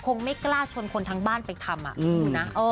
ไม่กล้าชนคนทั้งบ้านไปทำดูนะ